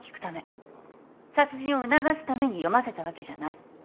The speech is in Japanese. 殺人を促すために読ませたわけじゃない。